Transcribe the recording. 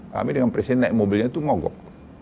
kami dengan presiden naik mobilnya itu mogok